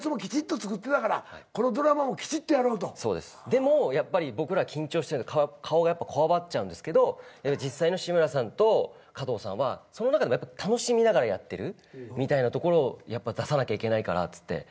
でもやっぱり僕ら緊張してて顔がこわばっちゃうんですけど実際の志村さんと加藤さんはその中でもやっぱ楽しみながらやってるみたいなところをやっぱ出さなきゃいけないからっつって。